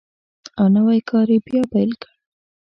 او نوی کار یې بیا پیل کړ.